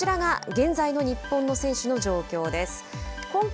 こちらが現在の日本の選手の状況です。